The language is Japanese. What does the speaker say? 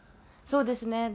そうですね。